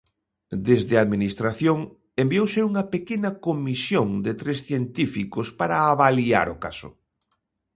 Desde a administración enviouse unha pequena comisión de tres científicos para avaliar o caso.